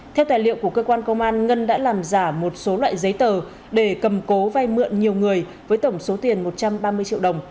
theo tài liệu của cơ quan công an ngân đã làm giả một số loại giấy tờ để cầm cố vay mượn nhiều người với tổng số tiền một trăm ba mươi triệu đồng